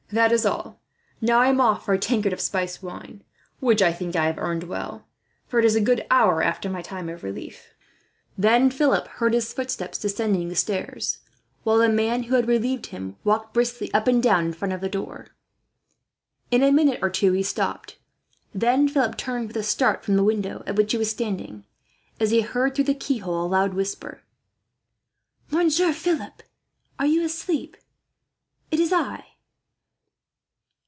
That is all. "Now I am off for a tankard of spiced wine, which I think I have earned well, for it is a good hour after my time of relief." Then Philip heard his footsteps descending the stairs, while the man who had relieved him walked briskly up and down in front of the door. In a minute or two he stopped, then Philip turned with a start from the window at which he was standing, as he heard through the keyhole a loud whisper: "Monsieur Philip, are you asleep? It is I!"